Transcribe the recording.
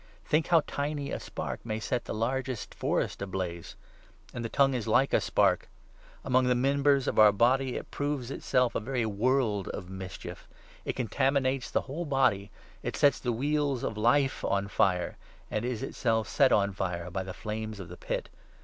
Think how tiny a spark may set the largest forest ablaze I And the 6 tongue is like a spark. Among the members of our body it proves itself a very world of mischief; it contaminates the whole body ; it sets the wheels of life on fire, and is itself set on fire by the flames of the Pit.